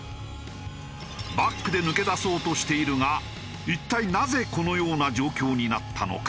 バックで抜け出そうとしているが一体なぜこのような状況になったのか。